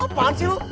apaan sih lu